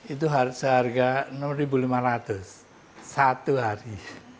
itu seharga rp enam lima ratus satu hari